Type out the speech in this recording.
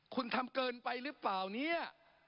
คุณทำเกินไปหรือเปล่าเนี่ย